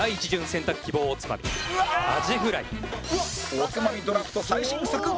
おつまみドラフト最新作！